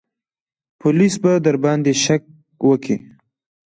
پوليس به درباندې شک وکي.